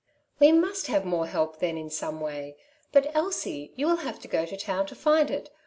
'^ We must have more help then in some way ; but Elsie you will have to go to town to find it.